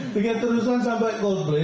tiket terusan sampai coldplay